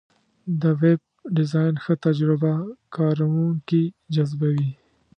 د ویب ډیزاین ښه تجربه کارونکي جذبوي.